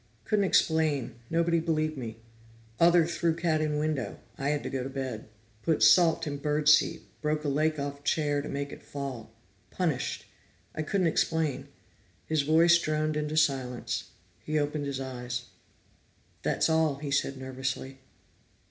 Couldn't explain, nobody believed me. Other threw cat in window, I had to go to bed. Put salt in bird seed, broke leg of chair to make it fall. Punished I couldn't explain." His voice droned into silence; he opened his eyes. "That all," he said nervously.